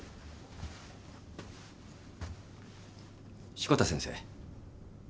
志子田先生。